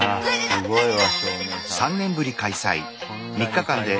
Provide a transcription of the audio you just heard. すごいな。